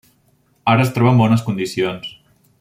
Ara es troba en bones condicions.